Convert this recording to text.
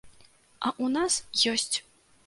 А ў нас ёсць!